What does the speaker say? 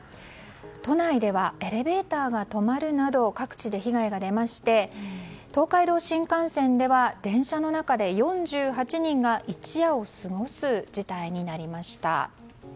都内ではエレベーターが止まるなど各地で被害が出まして東海道新幹線では電車の中で４８人が一夜を過ごす事態になりました。